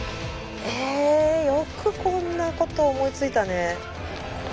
えよくこんなこと思いついたね。